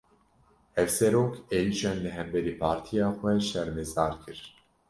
Hevserok, êrîşên li hemberî partiya xwe şermezar kir